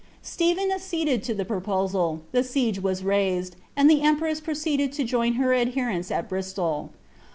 "' Stephen acceded to the proposal, the siege was raised, and tlie emprtM proceeded to join her adherents at Urislol.